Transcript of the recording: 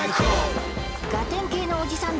ガテン系のおじさん